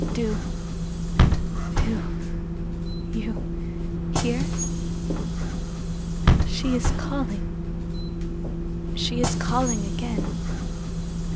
"Do—do—you—hear? She is calling—she is calling again.